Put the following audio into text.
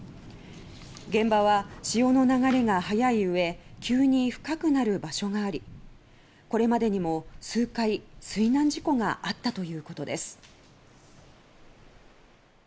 現場は潮の流れが速いうえ急に深くなる場所がありこれまでにも数回水難事故があったということです